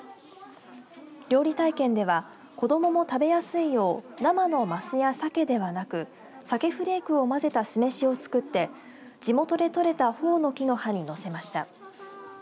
料理体験では子どもも食べやすいよう生のマスやサケではなくサケフレークを混ぜた酢飯を作って地元で取れたホオの木の葉にのせました。